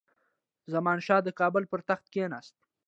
زمانشاه د کابل پر تخت کښېناست.